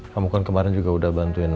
kamu kan kemarin juga udah bantuin